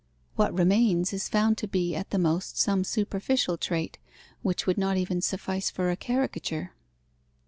What remains is found to be at the most some superficial trait, which would not even suffice for a caricature.